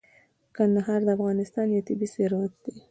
کندهار د افغانستان یو طبعي ثروت دی.